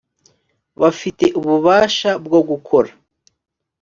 bafite ububasha bwo gukora